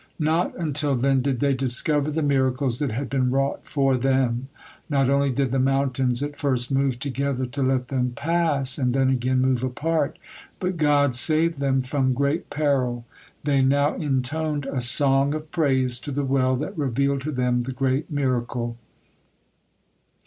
Not until then did they discover the miracles that had been wrought for them. Not only did the mountains at first move together to let them pass, and then again move apart, but God saved them from great peril. They now intoned a song of praise to the well that revealed to them the great miracle.